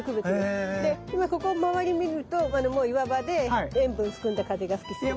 で今ここ周り見るともう岩場で塩分含んだ風が吹きつけて。